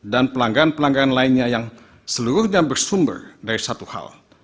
dan pelanggaran pelanggaran lainnya yang seluruhnya bersumber dari satu hal